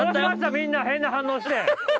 みんな変な反応して。